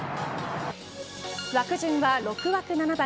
枠順は６枠７番。